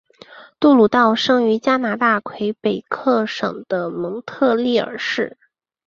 杜鲁道生于加拿大魁北克省的蒙特利尔市。